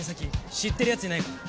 知ってる奴いないか？